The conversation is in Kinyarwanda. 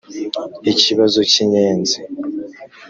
ikibazo cy' inyenzi;